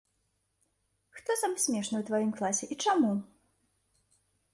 Хто самы смешны ў тваім класе і чаму?